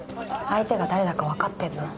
相手が誰だかわかってんの？